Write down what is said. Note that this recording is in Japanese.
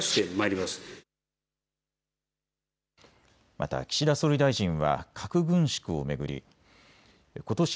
また岸田総理大臣は核軍縮を巡りことし